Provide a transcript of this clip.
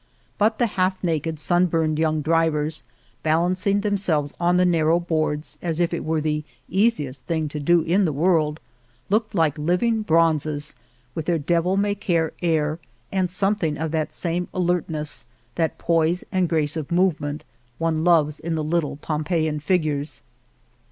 But the half naked, sun burned young drivers, balancing themselves on the narrow boards as if it were the easiest thing to do in the world, looked like living bronzes with their devil may care air and something of that same alertness, that poise and grace of movement one loves in the lit tle Pompeian figures.